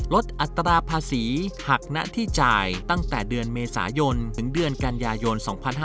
อัตราภาษีหักหน้าที่จ่ายตั้งแต่เดือนเมษายนถึงเดือนกันยายน๒๕๕๙